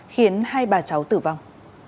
khiến hai bà cháu tử vong